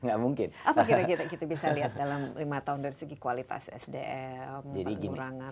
apa kira kira kita bisa lihat dalam lima tahun dari segi kualitas sdm pengurangan